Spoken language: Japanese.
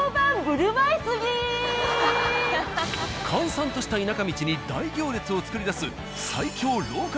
閑散とした田舎道に大行列を作り出す。